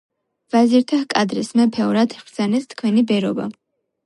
ვაზირთა ჰკადრეს: "მეფეო, რად ჰბრძანეთ თქვენი ბერობა?